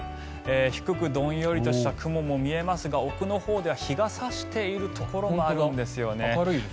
低くどんよりとした雲も見えますが奥のほうでは日が差しているところもあるんですよね。